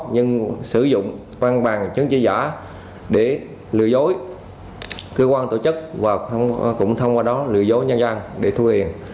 nhưng sử dụng văn bằng chứng chỉ giả để lừa dối cơ quan tổ chức và cũng thông qua đó lừa dối nhân dân để thu tiền